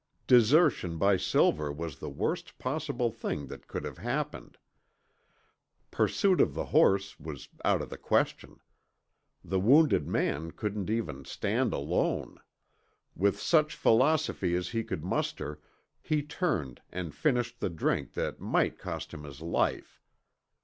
Desertion by Silver was the worst possible thing that could have happened. Pursuit of the horse was out of the question. The wounded man couldn't even stand alone. With such philosophy as he could muster, he turned and finished the drink that might cost him his life.